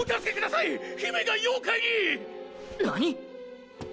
何！？